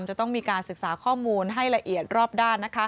จะต้องมีการศึกษาข้อมูลให้ละเอียดรอบด้าน